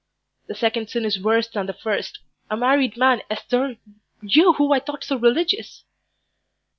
"The second sin is worse than the first. A married man, Esther you who I thought so religious."